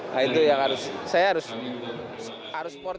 nah itu yang harus saya harus support